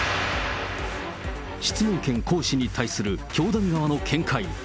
質問権行使に対する教団側の見解。